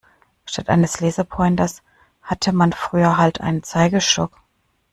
Statt eines Laserpointers hatte man früher halt einen Zeigestock.